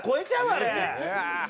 あれ。